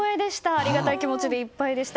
ありがたい気持ちでいっぱいでした。